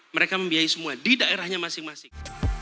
mereka membiayai semua di daerahnya masing masing